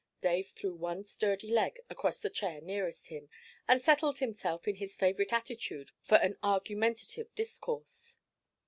Dave threw one sturdy leg across the chair nearest him, and settled himself in his favourite attitude for an argumentative discourse.